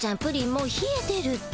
もうひえてるって。